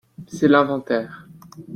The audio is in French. C’est l’inventaire